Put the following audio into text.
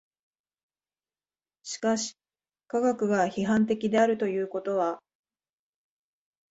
しかし科学が批判的であるということは